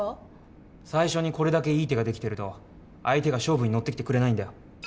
最初にこれだけいい手ができてると相手が勝負に乗ってきてくれないんだよ。